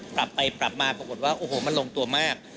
ปรับไปปรับมาปรากฏว่าโอ้โหมันลงตัวมาก